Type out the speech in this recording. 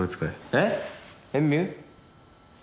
えっ？